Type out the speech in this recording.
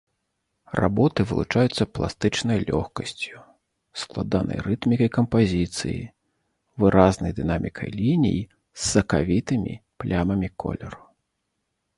Работы вылучаюцца пластычнай лёгкасцю, складанай рытмікай кампазіцыі, выразнай дынамікай ліній з сакавітымі плямамі колеру.